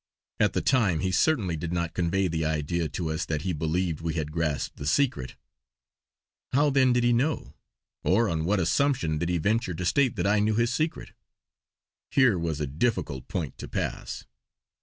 At the time he certainly did not convey the idea to us that he believed we had grasped the secret. How then did he know; or on what assumption did he venture to state that I knew his secret. Here was a difficult point to pass.